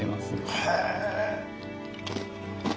へえ。